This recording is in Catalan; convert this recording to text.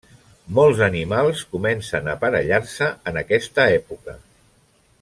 Molts animals comencen a aparellar-se en aquesta època.